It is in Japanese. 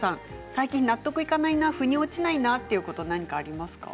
最近納得いかないふに落ちないことはありますか。